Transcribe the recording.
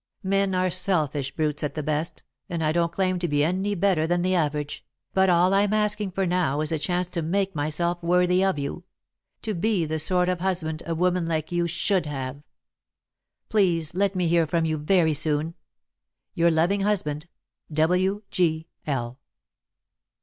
"Men are selfish brutes at the best, and I don't claim to be any better than the average, but all I'm asking for now is a chance to make myself worthy of you to be the sort of husband a woman like you should have. "Please let me hear from you very soon. "Your loving husband, "W. G. L."